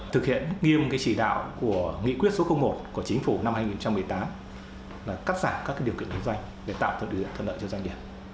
thực hiện nghiêm chỉ đạo của nghị quyết số một của chính phủ năm hai nghìn một mươi tám là cắt giảm các điều kiện kinh doanh để tạo được thân đợi cho doanh nghiệp